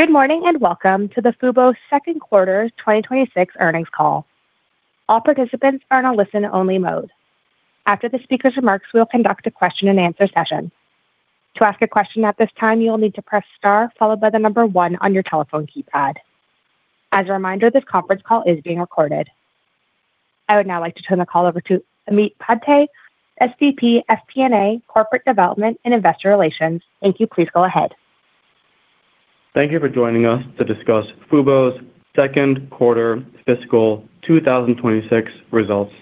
I would now like to turn the call over to Ameet Padte, SVP, FP&A, Corporate Development & Investor Relations. Thank you. Please go ahead. Thank you for joining us to discuss Fubo's second quarter fiscal 2026 results.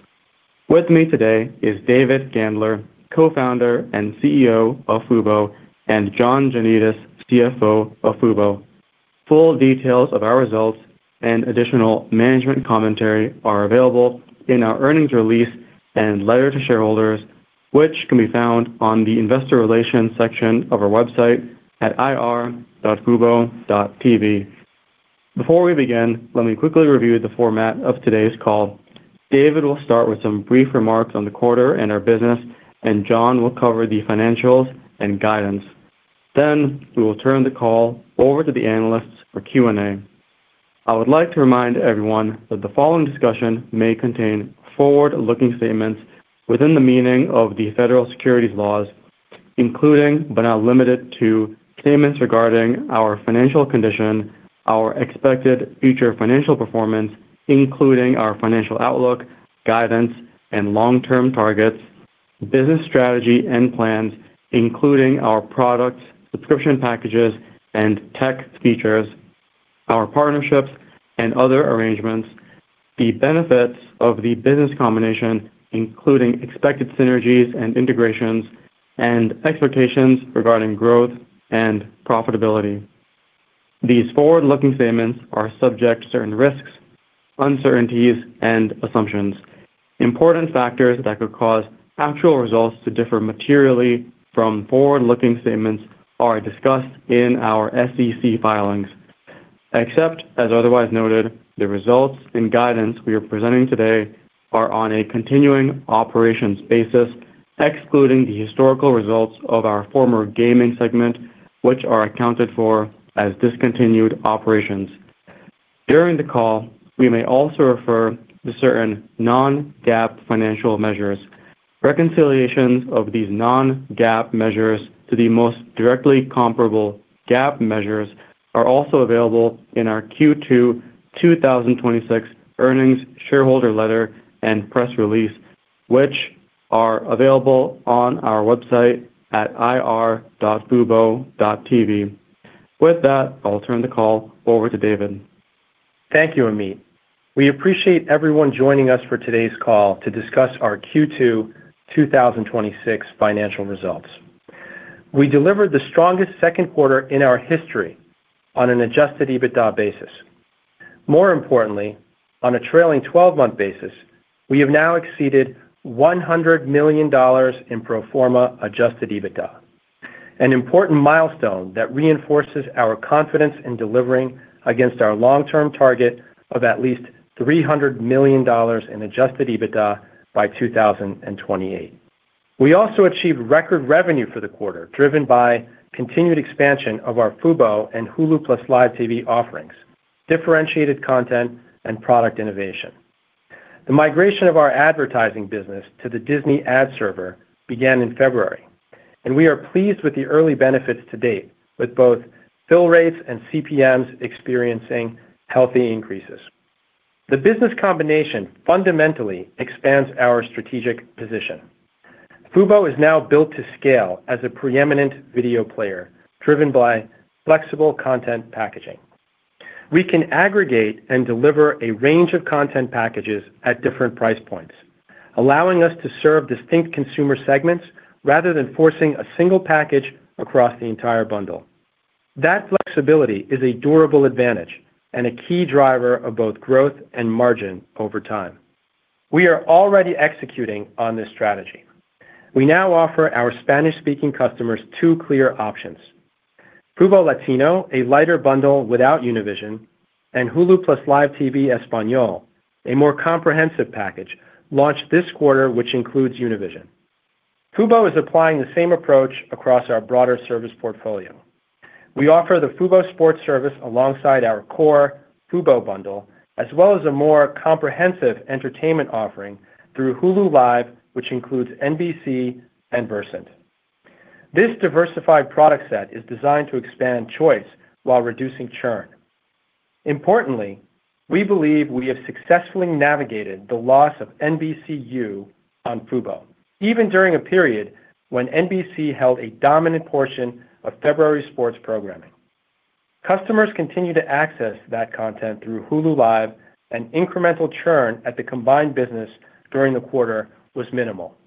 With me today is David Gandler, Co-founder and CEO of Fubo, and John Janedis, CFO of Fubo. Full details of our results and additional management commentary are available in our earnings release and letter to shareholders, which can be found on the investor relations section of our website at ir.fubo.tv. Before we begin, let me quickly review the format of today's call. David will start with some brief remarks on the quarter and our business, and John will cover the financials and guidance. We will turn the call over to the analysts for Q&A. I would like to remind everyone that the following discussion may contain forward-looking statements within the meaning of the federal securities laws, including but not limited to statements regarding our financial condition, our expected future financial performance, including our financial outlook, guidance, and long-term targets, business strategy and plans, including our products, subscription packages, and tech features, our partnerships and other arrangements, the benefits of the business combination, including expected synergies and integrations and expectations regarding growth and profitability. These forward-looking statements are subject to certain risks, uncertainties and assumptions. Important factors that could cause actual results to differ materially from forward-looking statements are discussed in our SEC filings. Except as otherwise noted, the results and guidance we are presenting today are on a continuing operations basis, excluding the historical results of our former gaming segment, which are accounted for as discontinued operations. During the call, we may also refer to certain non-GAAP financial measures. Reconciliations of these non-GAAP measures to the most directly comparable GAAP measures are also available in our Q2 2026 earnings shareholder letter and press release, which are available on our website at ir.fubo.tv. With that, I'll turn the call over to David. Thank you, Ameet. We appreciate everyone joining us for today's call to discuss our Q2 2026 financial results. We delivered the strongest second quarter in our history on an adjusted EBITDA basis. More importantly, on a trailing 12-month basis, we have now exceeded $100 million in pro forma adjusted EBITDA, an important milestone that reinforces our confidence in delivering against our long-term target of at least $300 million in adjusted EBITDA by 2028. We also achieved record revenue for the quarter, driven by continued expansion of our Fubo and Hulu + Live TV offerings, differentiated content, and product innovation. The migration of our advertising business to the Disney ad server began in February, and we are pleased with the early benefits to date, with both fill rates and CPMs experiencing healthy increases. The business combination fundamentally expands our strategic position. Fubo is now built to scale as a preeminent video player driven by flexible content packaging. We can aggregate and deliver a range of content packages at different price points, allowing us to serve distinct consumer segments rather than forcing a single package across the entire bundle. That flexibility is a durable advantage and a key driver of both growth and margin over time. We are already executing on this strategy. We now offer our Spanish-speaking customers two clear options: Fubo Latino, a lighter bundle without Univision, and Hulu + Live TV Español, a more comprehensive package launched this quarter, which includes Univision. Fubo is applying the same approach across our broader service portfolio. We offer the Fubo Sports service alongside our core Fubo bundle, as well as a more comprehensive entertainment offering through Hulu + Live, which includes NBC and Versant. This diversified product set is designed to expand choice while reducing churn. Importantly, we believe we have successfully navigated the loss of NBCU on Fubo, even during a period when NBC held a dominant portion of February sports programming. Customers continue to access that content through Hulu + Live TV, and incremental churn at the combined business during the quarter was minimal.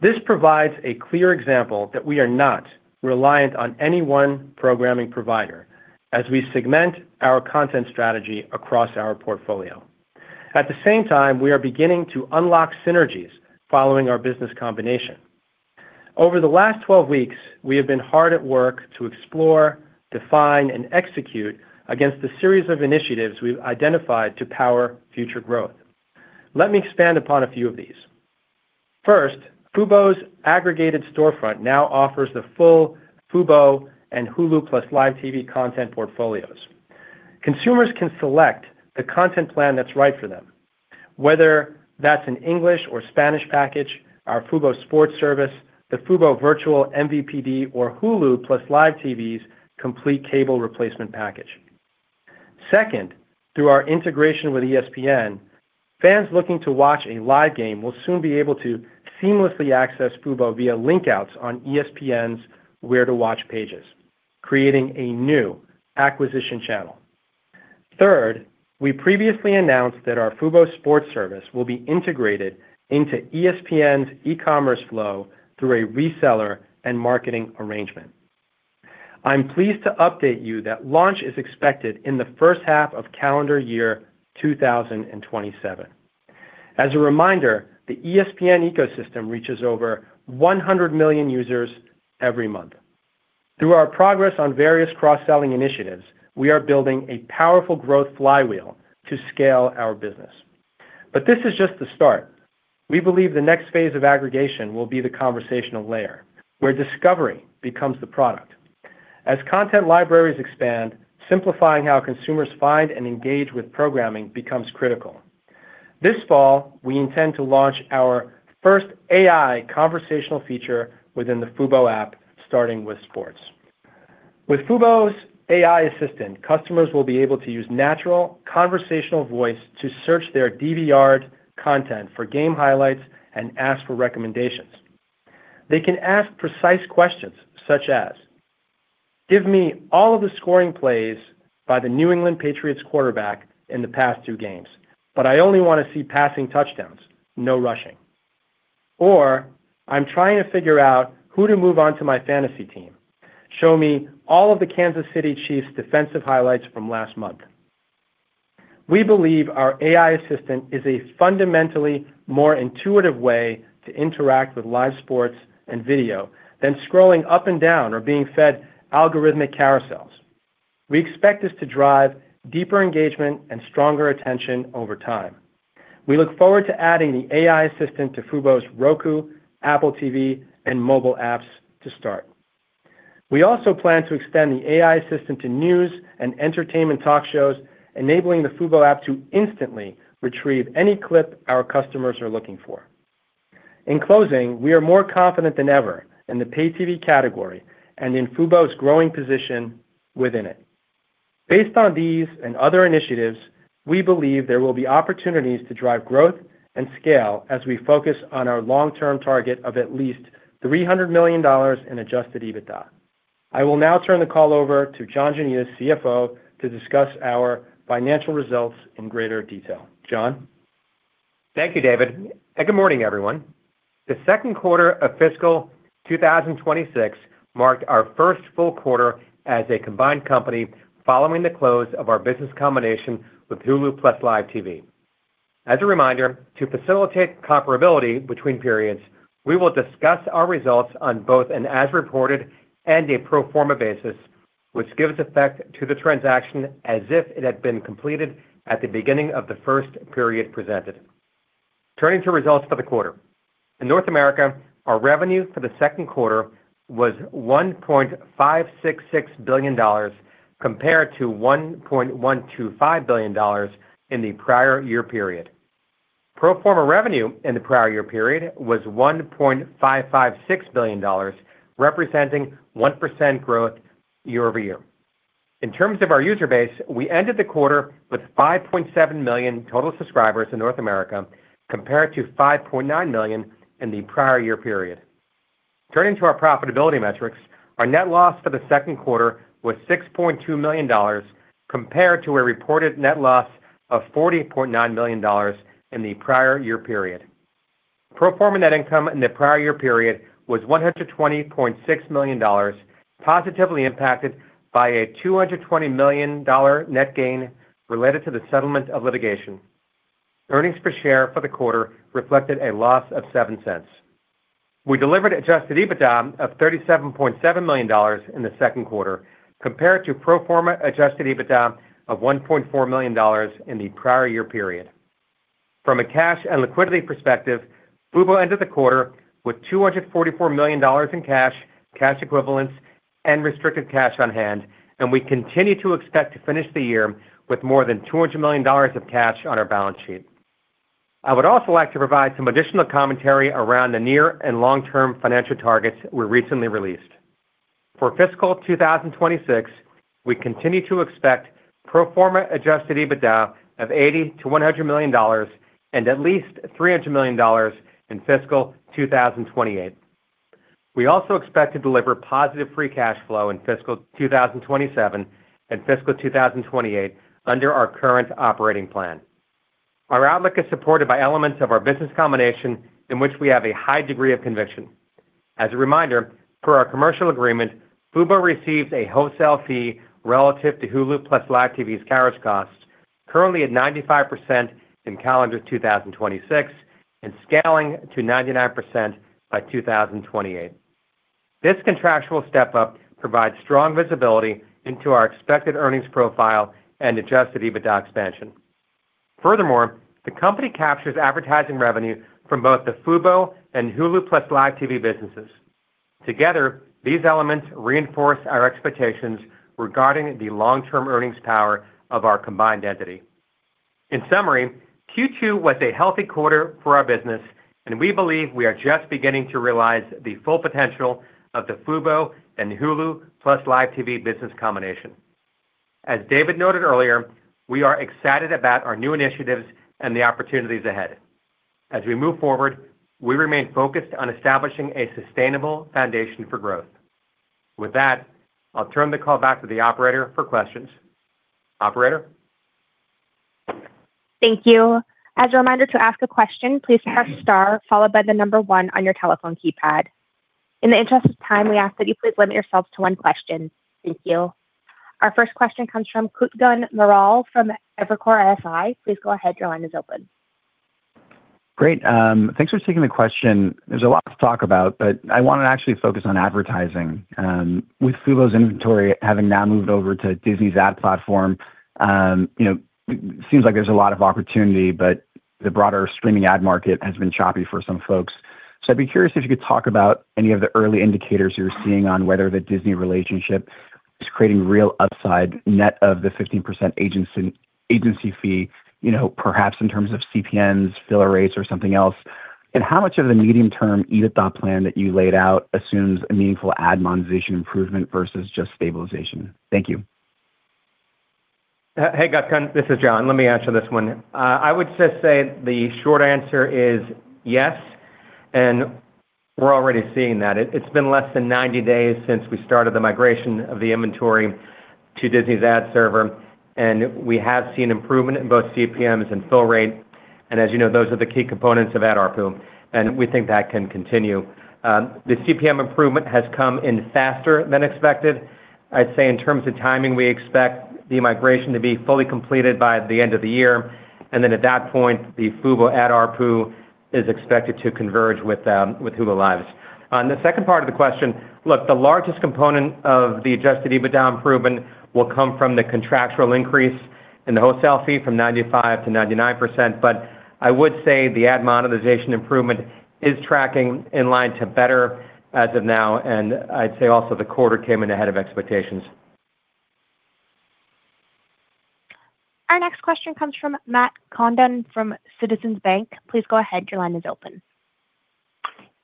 This provides a clear example that we are not reliant on any one programming provider as we segment our content strategy across our portfolio. At the same time, we are beginning to unlock synergies following our business combination. Over the last 12 weeks, we have been hard at work to explore, define, and execute against the series of initiatives we've identified to power future growth. Let me expand upon a few of these. First, Fubo's aggregated storefront now offers the full Fubo and Hulu + Live TV content portfolios. Consumers can select the content plan that's right for them, whether that's an English or Spanish package, our Fubo Sports service, the Fubo virtual MVPD, or Hulu + Live TV's complete cable replacement package. Second, through our integration with ESPN, fans looking to watch a live game will soon be able to seamlessly access Fubo via link outs on ESPN's Where to Watch pages, creating a new acquisition channel. Third, we previously announced that our Fubo Sports service will be integrated into ESPN's e-commerce flow through a reseller and marketing arrangement. I'm pleased to update you that launch is expected in the first half of calendar year 2027. As a reminder, the ESPN ecosystem reaches over 100 million users every month. Through our progress on various cross-selling initiatives, we are building a powerful growth flywheel to scale our business. This is just the start. We believe the next phase of aggregation will be the conversational layer, where discovery becomes the product. As content libraries expand, simplifying how consumers find and engage with programming becomes critical. This fall, we intend to launch our first AI conversational feature within the Fubo app, starting with sports. With Fubo's AI assistant, customers will be able to use natural conversational voice to search their DVR'd content for game highlights and ask for recommendations. They can ask precise questions such as, "Give me all of the scoring plays by the New England Patriots quarterback in the past two games, but I only wanna see passing touchdowns, no rushing." Or "I'm trying to figure out who to move on to my fantasy team. Show me all of the Kansas City Chiefs defensive highlights from last month." We believe our AI assistant is a fundamentally more intuitive way to interact with live sports and video than scrolling up and down or being fed algorithmic carousels. We expect this to drive deeper engagement and stronger attention over time. We look forward to adding the AI assistant to Fubo's Roku, Apple TV, and mobile apps to start. We also plan to extend the AI assistant to news and entertainment talk shows, enabling the Fubo app to instantly retrieve any clip our customers are looking for. In closing, we are more confident than ever in the pay-TV category and in Fubo's growing position within it. Based on these and other initiatives, we believe there will be opportunities to drive growth and scale as we focus on our long-term target of at least $300 million in adjusted EBITDA. I will now turn the call over to John Janedis, CFO, to discuss our financial results in greater detail. John? Thank you, David, and good morning, everyone. The second quarter of fiscal 2026 marked our first full quarter as a combined company following the close of our business combination with Hulu + Live TV. As a reminder, to facilitate comparability between periods, we will discuss our results on both an as reported and a pro forma basis, which gives effect to the transaction as if it had been completed at the beginning of the first period presented. Turning to results for the quarter. In North America, our revenue for the second quarter was $1.566 billion compared to $1.125 billion in the prior year period. Pro forma revenue in the prior year period was $1.556 billion, representing 1% growth year-over-year. In terms of our user base, we ended the quarter with 5.7 million total subscribers in North America compared to 5.9 million in the prior year period. Turning to our profitability metrics, our net loss for the second quarter was $6.2 million compared to a reported net loss of $40.9 million in the prior year period. Pro forma net income in the prior year period was $120.6 million, positively impacted by a $220 million net gain related to the settlement of litigation. Earnings per share for the quarter reflected a loss of $0.07. We delivered adjusted EBITDA of $37.7 million in the second quarter compared to pro forma adjusted EBITDA of $1.4 million in the prior year period. From a cash and liquidity perspective, Fubo ended the quarter with $244 million in cash equivalents, and restricted cash on hand, and we continue to expect to finish the year with more than $200 million of cash on our balance sheet. I would also like to provide some additional commentary around the near and long-term financial targets we recently released. For fiscal 2026, we continue to expect pro forma adjusted EBITDA of $80 million-$100 million and at least $300 million in fiscal 2028. We also expect to deliver positive free cash flow in fiscal 2027 and fiscal 2028 under our current operating plan. Our outlook is supported by elements of our business combination in which we have a high degree of conviction. As a reminder, per our commercial agreement, Fubo received a wholesale fee relative to Hulu + Live TV's carriage cost, currently at 95% in calendar 2026 and scaling to 99% by 2028. This contractual step-up provides strong visibility into our expected earnings profile and adjusted EBITDA expansion. Furthermore, the company captures advertising revenue from both the Fubo and Hulu + Live TV businesses. Together, these elements reinforce our expectations regarding the long-term earnings power of our combined entity. In summary, Q2 was a healthy quarter for our business, and we believe we are just beginning to realize the full potential of the Fubo and Hulu + Live TV business combination. As David noted earlier, we are excited about our new initiatives and the opportunities ahead. As we move forward, we remain focused on establishing a sustainable foundation for growth. With that, I'll turn the call back to the operator for questions. Operator? Thank you. As a reminder to ask a question, please press star followed by the number one on your telephone keypad. In the interest of time, we ask that you please limit yourself to one question. Thank you. Our first question comes from Kutgun Maral from Evercore ISI. Please go ahead. Your line is open. Great. Thanks for taking the question. There's a lot to talk about, but I wanna actually focus on advertising. With Fubo's inventory having now moved over to Disney's ad platform, it seems like there's a lot of opportunity, but the broader streaming ad market has been choppy for some folks. I'd be curious if you could talk about any of the early indicators you're seeing on whether the Disney relationship is creating real upside net of the 15% agency fee, perhaps in terms of CPMs, filler rates, or something else, and how much of the medium-term EBITDA plan that you laid out assumes a meaningful ad monetization improvement versus just stabilization? Thank you. Kutgun. This is John. Let me answer this one. I would just say the short answer is yes, and we're already seeing that. It's been less than 90 days since we started the migration of the inventory to Disney's ad server, and we have seen improvement in both CPMs and fill rate. As you know, those are the key components of ad ARPU, and we think that can continue. The CPM improvement has come in faster than expected. I'd say in terms of timing, we expect the migration to be fully completed by the end of the year. Then at that point, the Fubo ad ARPU is expected to converge with Hulu + Live TV's. On the second part of the question, look, the largest component of the adjusted EBITDA improvement will come from the contractual increase in the wholesale fee from 95% to 99%. I would say the ad monetization improvement is tracking in line to better as of now, and I'd say also the quarter came in ahead of expectations. Our next question comes from Matthew Condon from Citizens JMP. Please go ahead. Your line is open.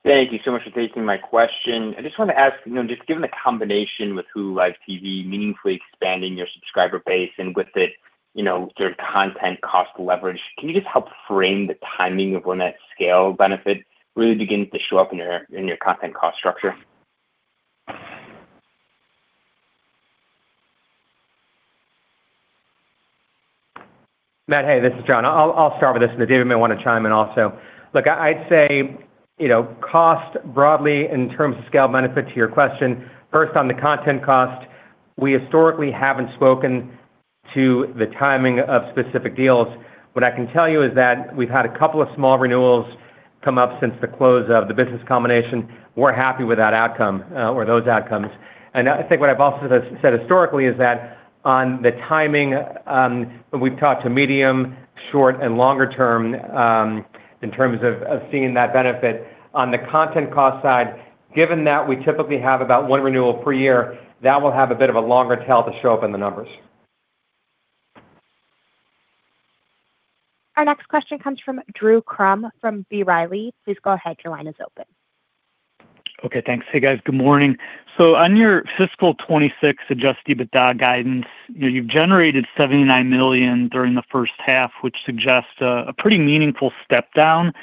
Thank you so much for taking my question. I just wanted to ask, you know, just given the combination with Hulu + Live TV meaningfully expanding your subscriber base and with it, you know, their content cost leverage, can you just help frame the timing of when that scale benefit really begins to show up in your, in your content cost structure? Matt, hey, this is John. I'll start with this, then David may wanna chime in also. I'd say, you know, cost broadly in terms of scale benefit to your question, first, on the content cost, we historically haven't spoken to the timing of specific deals. What I can tell you is that we've had a couple small renewals come up since the close of the business combination. We're happy with that outcome, or those outcomes. I think what I've also said historically is that on the timing, when we've talked to medium, short, and longer term, in terms of seeing that benefit on the content cost side, given that we typically have about one renewal per year, that will have a bit of a longer tail to show up in the numbers. Our next question comes from Drew Crum from B. Riley. Please go ahead. Your line is open. Okay, thanks. Hey, guys. Good morning. On your fiscal 2026 adjusted EBITDA guidance, you've generated $79 million during the first half, which suggests a pretty meaningful step down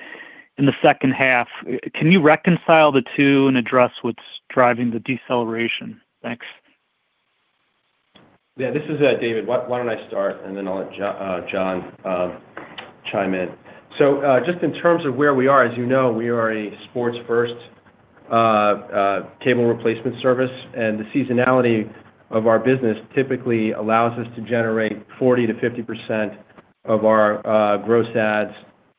in the second half. Can you reconcile the two and address what's driving the deceleration? Thanks. Yeah, this is David. Why don't I start, and then I'll let John chime in. Just in terms of where we are, as you know, we are a sports first cable replacement service, and the seasonality of our business typically allows us to generate 40% to 50% of our gross ads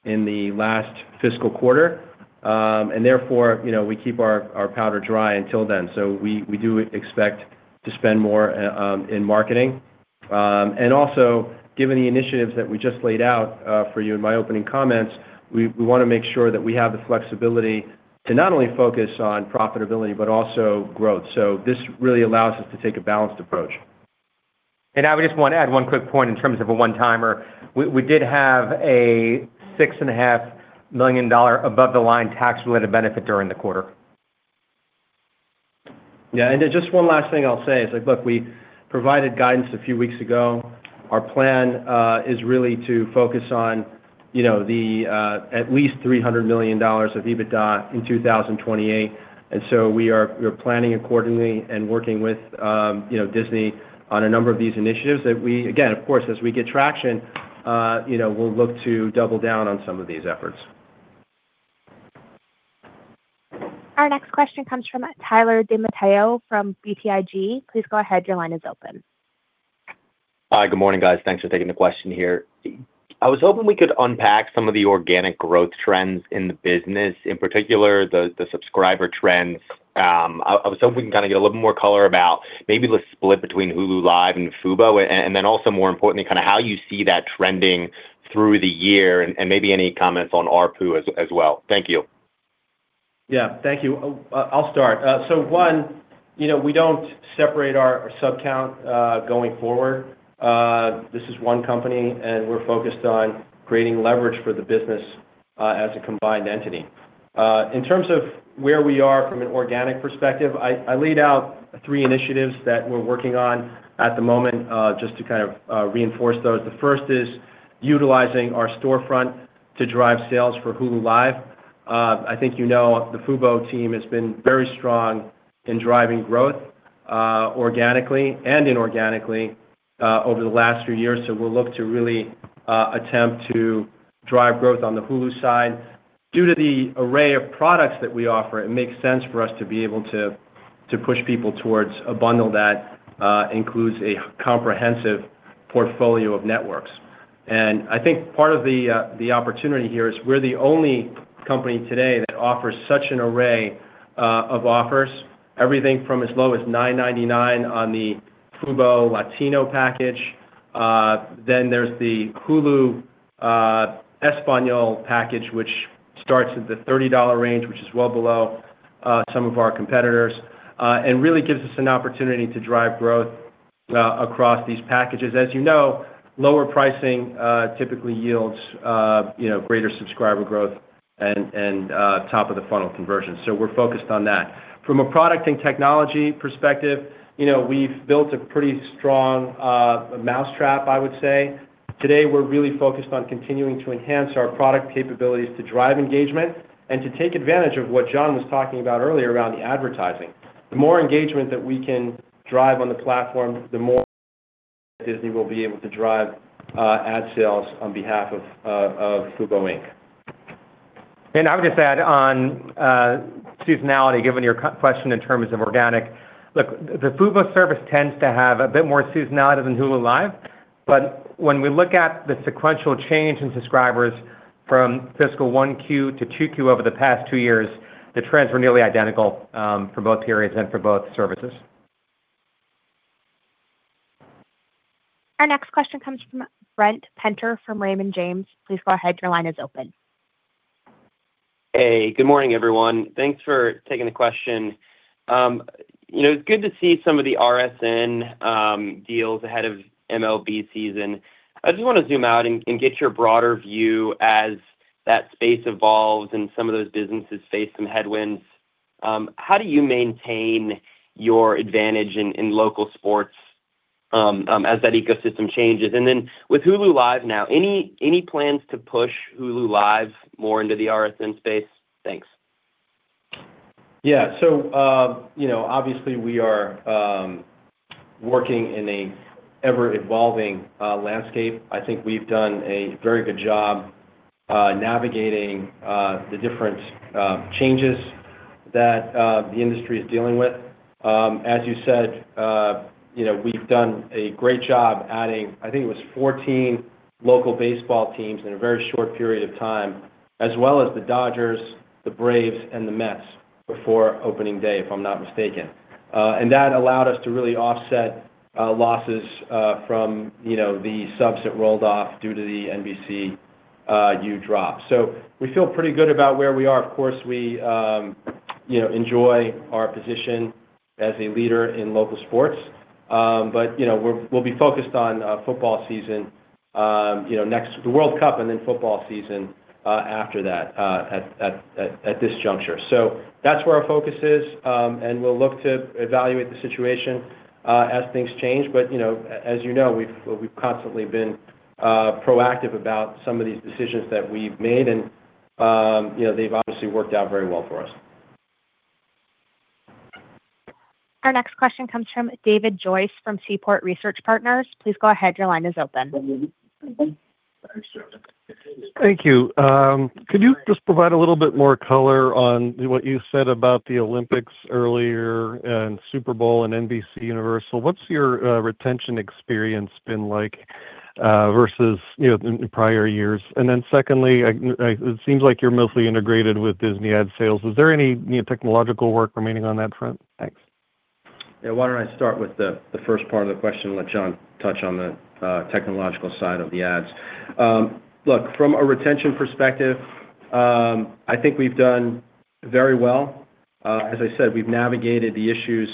in the last fiscal quarter. Therefore, you know, we keep our powder dry until then. We do expect to spend more in marketing. Also, given the initiatives that we just laid out for you in my opening comments, we wanna make sure that we have the flexibility to not only focus on profitability, but also growth. This really allows us to take a balanced approach. I would just want to add one quick point in terms of a one-timer. We did have a $6.5 million above the line tax-related benefit during the quarter. Yeah. Just one last thing I'll say is, like, look, we provided guidance a few weeks ago. Our plan is really to focus on, you know, the at least $300 million of EBITDA in 2028. We are planning accordingly and working with, you know, Disney on a number of these initiatives that we, of course, as we get traction, you know, we'll look to double down on some of these efforts. Our next question comes from Tyler DiMatteo from BTIG. Please go ahead. Your line is open. Hi, good morning, guys. Thanks for taking the question here. I was hoping we could unpack some of the organic growth trends in the business, in particular the subscriber trends. I was hoping we can get a little more color about maybe the split between Hulu + Live TV and Fubo. Then also more importantly, how you see that trending through the year and maybe any comments on ARPU as well. Thank you. Yeah, thank you. I'll start. One, you know, we don't separate our sub count going forward. This is one company, and we're focused on creating leverage for the business as a combined entity. In terms of where we are from an organic perspective, I laid out three initiatives that we're working on at the moment just to kind of reinforce those. The first is utilizing our storefront to drive sales for Hulu + Live TV. I think you know the Fubo team has been very strong in driving growth organically and inorganically over the last few years. We'll look to really attempt to drive growth on the Hulu side. Due to the array of products that we offer, it makes sense for us to be able to push people towards a bundle that includes a comprehensive portfolio of networks. I think part of the opportunity here is we're the only company today that offers such an array of offers. Everything from as low as $9.99 on the Fubo Latino package. Then there's the Hulu Español package, which starts at the $30 range, which is well below some of our competitors and really gives us an opportunity to drive growth across these packages. As you know, lower pricing typically yields, you know, greater subscriber growth and top of the funnel conversion. We're focused on that. From a product and technology perspective, you know, we've built a pretty strong mousetrap, I would say. Today, we're really focused on continuing to enhance our product capabilities to drive engagement and to take advantage of what John was talking about earlier around the advertising. The more engagement that we can drive on the platform, the more Disney will be able to drive ad sales on behalf of Fubo Inc. I would just add on seasonality, given your question in terms of organic. Look, the Fubo service tends to have a bit more seasonality than Hulu Live. When we look at the sequential change in subscribers from fiscal Q1 to Q2 over the past two years, the trends were nearly identical for both periods and for both services. Our next question comes from Brent Penter from Raymond James. Please go ahead. Your line is open. Hey, good morning, everyone. Thanks for taking the question. you know, it's good to see some of the RSN deals ahead of MLB season. I just wanna zoom out and get your broader view as that space evolves and some of those businesses face some headwinds. How do you maintain your advantage in local sports as that ecosystem changes? With Hulu + Live now, any plans to push Hulu + Live more into the RSN space? Thanks. Yeah. You know, obviously, we are working in a ever-evolving landscape. I think we've done a very good job navigating the different changes that the industry is dealing with. As you said, you know, we've done a great job adding, I think it was 14 local baseball teams in a very short period of time, as well as the Dodgers, the Braves, and the Mets before opening day, if I'm not mistaken. That allowed us to really offset losses from, you know, the subs that rolled off due to the NBCU drop. We feel pretty good about where we are. Of course, we, you know, enjoy our position as a leader in local sports. You know, we'll be focused on football season, you know, the World Cup and then football season after that at this juncture. That's where our focus is, and we'll look to evaluate the situation as things change. You know, as you know, we've constantly been proactive about some of these decisions that we've made, and, you know, they've obviously worked out very well for us. Our next question comes from David Joyce from Seaport Research Partners. Please go ahead. Thanks, David. Thank you. could you just provide a little bit more color on what you said about the Olympics earlier and Super Bowl and NBCUniversal? What's your retention experience been like versus, you know, in prior years? Secondly, it seems like you're mostly integrated with Disney ad sales. Is there any new technological work remaining on that front? Thanks. Why don't I start with the first part of the question and let John Janedis touch on the technological side of the ads. Look, from a retention perspective, I think we've done very well. As I said, we've navigated the issues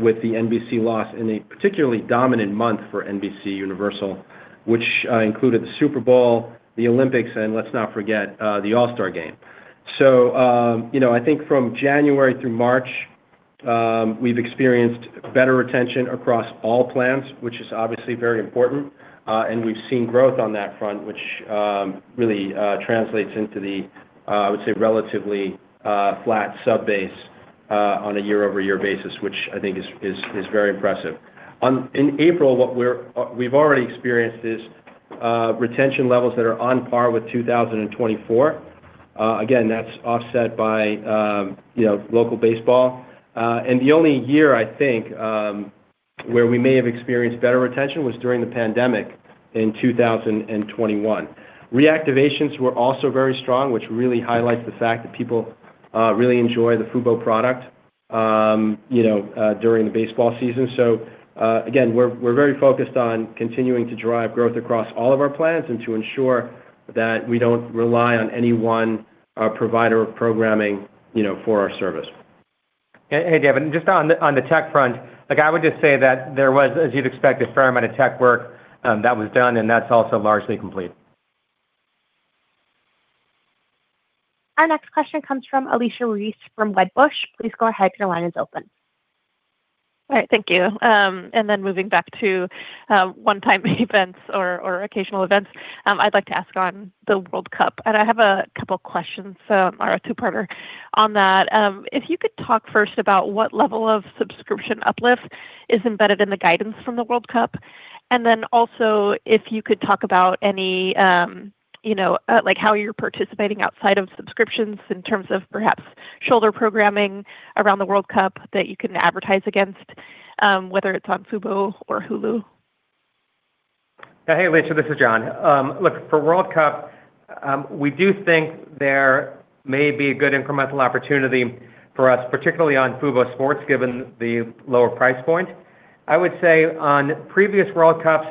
with the NBC loss in a particularly dominant month for NBCUniversal, which included the Super Bowl, the Olympics, and let's not forget the All-Star Game. You know, I think from January through March, we've experienced better retention across all plans, which is obviously very important. And we've seen growth on that front, which really translates into the, I would say, relatively flat sub base on a year-over-year basis, which I think is very impressive. In April, what we've already experienced is retention levels that are on par with 2024. Again, that's offset by, you know, local baseball. The only year I think where we may have experienced better retention was during the pandemic in 2021. Reactivations were also very strong, which really highlights the fact that people really enjoy the Fubo product, you know, during the baseball season. Again, we're very focused on continuing to drive growth across all of our plans and to ensure that we don't rely on any one provider of programming, you know, for our service. Hey, David, just on the tech front, like I would just say that there was, as you'd expect, a fair amount of tech work that was done, and that's also largely complete. Our next question comes from Alicia Reese from Wedbush. Please go ahead, your line is open. All right, thank you. Moving back to one-time events or occasional events, I'd like to ask on the World Cup. I have a couple questions, so or a two-parter on that. If you could talk first about what level of subscription uplift is embedded in the guidance from the World Cup. Also, if you could talk about any, you know, like how you're participating outside of subscriptions in terms of perhaps shoulder programming around the World Cup that you can advertise against, whether it's on Fubo or Hulu. Hey, Alicia, this is John. Look, for World Cup, we do think there may be a good incremental opportunity for us, particularly on Fubo Sports, given the lower price point. I would say on previous World Cups,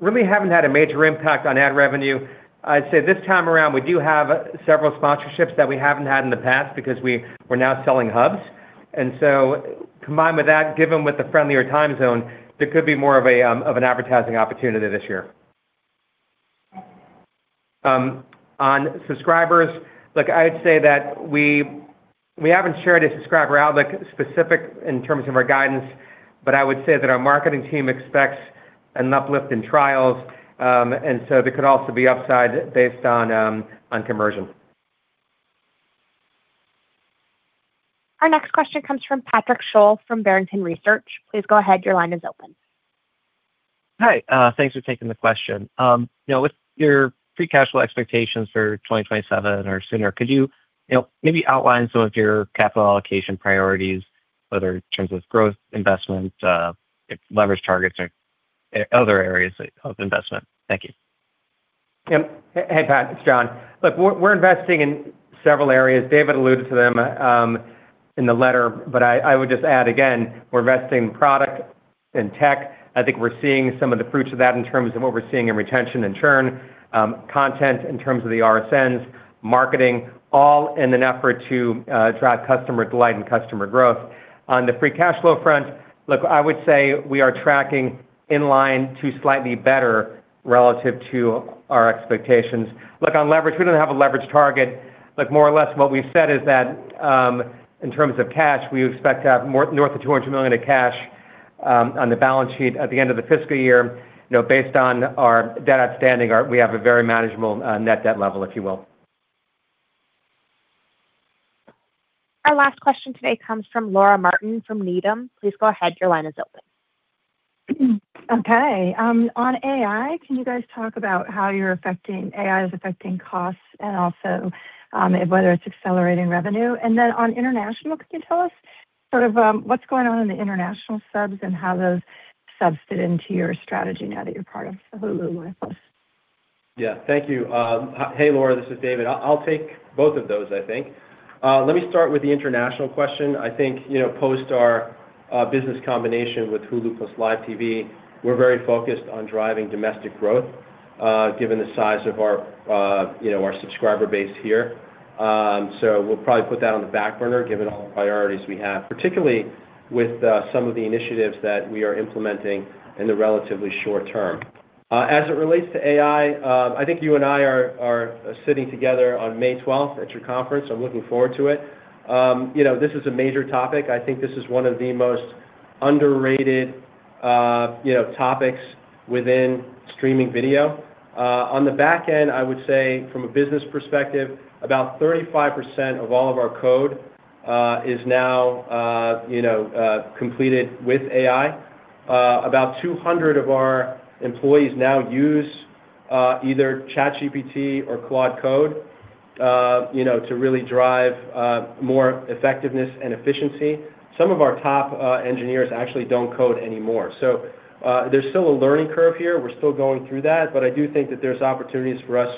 really haven't had a major impact on ad revenue. I'd say this time around, we do have several sponsorships that we haven't had in the past because we're now selling hubs. Combined with that, given with the friendlier time zone, there could be more of an advertising opportunity this year. On subscribers, look, I'd say that we haven't shared a subscriber outlook specific in terms of our guidance, but I would say that our marketing team expects an uplift in trials, there could also be upside based on conversion. Our next question comes from Patrick Sholl from Barrington Research. Please go ahead, your line is open. Hi, thanks for taking the question. You know, with your free cash flow expectations for 2027 or sooner, could you know, maybe outline some of your capital allocation priorities, whether in terms of growth investment, leverage targets or other areas of investment? Thank you. Yep. Hey, Pat, it's John. Look, we're investing in several areas. David alluded to them in the letter. I would just add again, we're investing in product and tech. I think we're seeing some of the fruits of that in terms of what we're seeing in retention and churn, content in terms of the RSNs, marketing, all in an effort to drive customer delight and customer growth. On the free cash flow front, look, I would say we are tracking in line to slightly better relative to our expectations. Look, on leverage, we don't have a leverage target. Look, more or less what we've said is that, in terms of cash, we expect to have north of $200 million of cash on the balance sheet at the end of the fiscal year. You know, based on our debt outstanding, we have a very manageable net debt level, if you will. Our last question today comes from Laura Martin from Needham & Company. Please go ahead, your line is open. Okay. On AI, can you guys talk about how AI is affecting costs and also, whether it's accelerating revenue? On international, can you tell us sort of, what's going on in the international subs and how those subs fit into your strategy now that you're part of Hulu with us? Thank you. Hey, Laura, this is David. I'll take both of those, I think. Let me start with the international question. I think, you know, post our business combination with Hulu + Live TV, we're very focused on driving domestic growth, given the size of our, you know, our subscriber base here. We'll probably put that on the back burner given all the priorities we have, particularly with some of the initiatives that we are implementing in the relatively short term. As it relates to AI, I think you and I are sitting together on May 12th at your conference. I'm looking forward to it. You know, this is a major topic. I think this is one of the most underrated, you know, topics within streaming video. On the back end, I would say from a business perspective, about 35% of all of our code is now completed with AI. About 200 of our employees now use either ChatGPT or Claude Code to really drive more effectiveness and efficiency. Some of our top engineers actually don't code anymore. There's still a learning curve here. We're still going through that. I do think that there's opportunities for us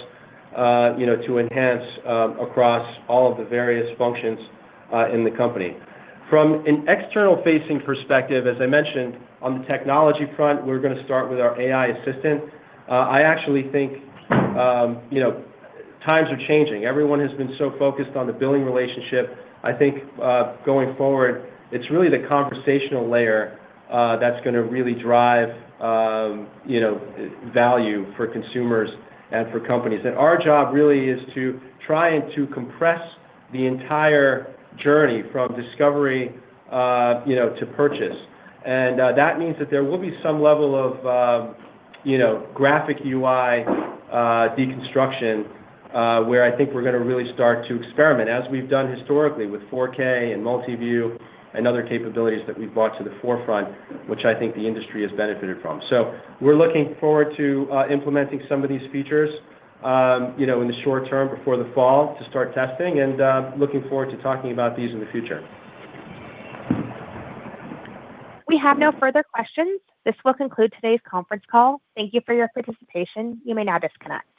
to enhance across all of the various functions in the company. From an external-facing perspective, as I mentioned, on the technology front, we're gonna start with our AI assistant. I actually think times are changing. Everyone has been so focused on the billing relationship. I think, going forward, it's really the conversational layer, that's gonna really drive, you know, value for consumers and for companies. Our job really is to try and to compress the entire journey from discovery, you know, to purchase. That means that there will be some level of, you know, graphic UI, deconstruction, where I think we're gonna really start to experiment, as we've done historically with 4K and Multiview and other capabilities that we've brought to the forefront, which I think the industry has benefited from. We're looking forward to implementing some of these features, you know, in the short term before the fall to start testing, and, looking forward to talking about these in the future. We have no further questions. This will conclude today's conference call. Thank you for your participation. You may now disconnect.